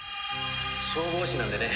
消防士なんでね。